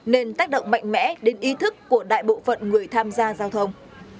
nên tác động mạnh mẽ đến ý thức của đại bộ phận người tham gia giao thông